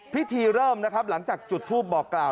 พิธีเริ่มนะครับหลังจากจุดทูปบอกกล่าว